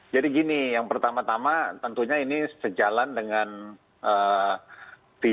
jadi gini yang pertama tama tentunya ini sejalan dengan visi